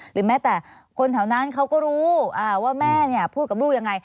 หรือแม้แต่คนแถวนั้นเขาก็รู้ว่าแม่พูดกับลูกยังไง